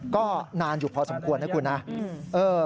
ก็นานอยู่พอสมควรนะคุณนะ